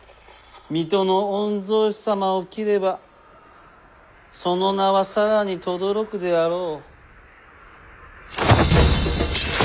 水戸の御曹司様を斬ればその名は更にとどろくであろう。